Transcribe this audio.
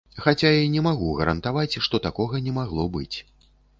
Хаця і не магу гарантаваць, што такога не магло быць.